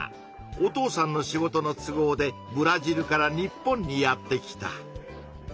お父さんの仕事の都合でブラジルから日本にやって来た。